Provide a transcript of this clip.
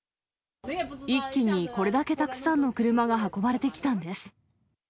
一気にこれだけたくさんの車が運ばれてきたんです。